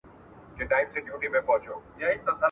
پکښي پراته دي په زړو ویشتلي ,